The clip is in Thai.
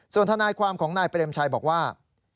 ส่วนทนายความของนายเปรมชัยบอกว่า